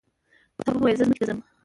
تواب وویل زه ځمکې ته ځم.